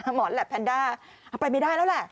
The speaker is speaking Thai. หมอนและแพนด้าเอาไปไม่ได้แล้วแหละ